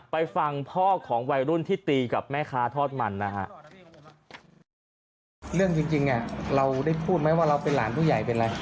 ไปฟังพ่อของวัยรุ่นที่ตีกับแม่ค้าทอดมันนะฮะ